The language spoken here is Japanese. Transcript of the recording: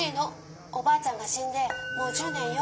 おばあちゃんがしんでもう１０年よ。